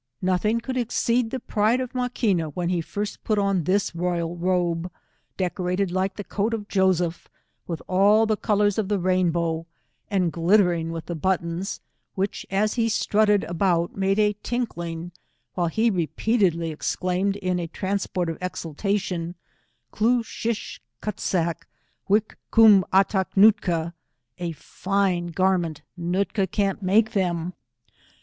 Nothing could exceed the pride of Maqaina when he first put oa this royal robe, decorated like«the coat of Joseph, with all the colours of the rainbow, and glittering with the buttons, which as he strutted about made a tink ling, while he repeatedly exclaimed, in a transport of exultation, Klezo shish Katsuk — wick kum atack Nootka. A fine garment — Nootka can't make them.